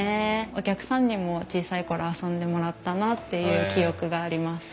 お客さんにも小さい頃遊んでもらったなっていう記憶があります。